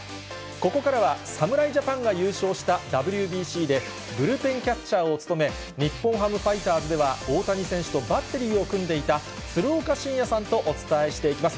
ここからは侍ジャパンが優勝したＷＢＣで、ブルペンキャッチャーを務め、日本ハムファイターズでは大谷選手とバッテリーを組んでいた鶴岡慎也さんとお伝えしていきます。